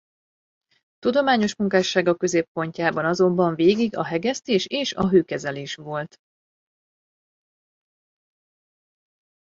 Tudományos munkássága középpontjában azonban végig a hegesztés és a hőkezelés volt.